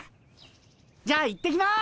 じゃあ行ってきます。